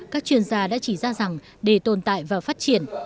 các chuyên gia đã chỉ ra rằng để tồn tại và phát triển